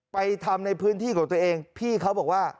ไปทำในพื้นที่ของตัวเองพี่เขาบอกว่า